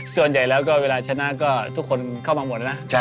ส่วนใหญ่แล้วก็เวลาชนะก็ทุกคนเข้ามาหมดนะ